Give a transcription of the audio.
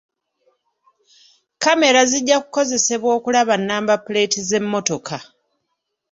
Kamera zijja kukozesebwa okulaba namba puleeti z'emmotoka.